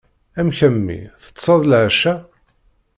Amek a mmi! Teṭseḍ leɛca?